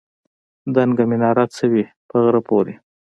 دنګه مناره څه وي په غره پورې.